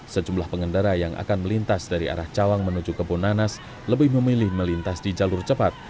sejumlah pengendara yang akan melintas dari arah cawang menuju kebunanas lebih memilih melintas di jalur cepat